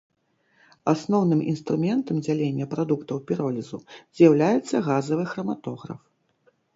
Асноўным інструментам дзялення прадуктаў піролізу з'яўляецца газавы храматограф.